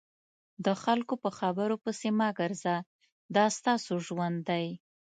د خلکو په خبرو پسې مه ګرځه دا ستاسو ژوند دی.